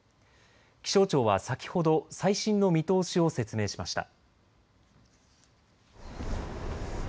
気象庁は先ほど、最新の見通しを説明しました。